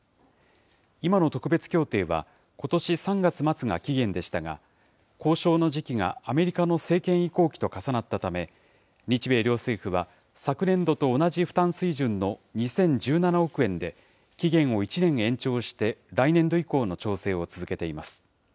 今の特別協定は、ことし３月末が期限でしたが、交渉の時期がアメリカの政権移行期と重なったため、日米両政府は昨年度と同じ負担水準の２０１７億円で、期限を１年延長して、来年度以降の調整を続けています。